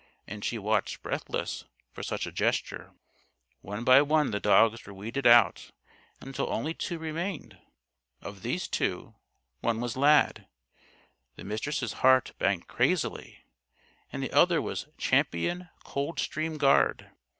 And she watched breathless for such a gesture. One by one the dogs were weeded out until only two remained. Of these two, one was Lad the Mistress' heart banged crazily and the other was Champion Coldstream Guard.